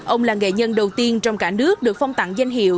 ông là nghệ nhân đầu tiên trong cả nước được phong tặng danh hiệu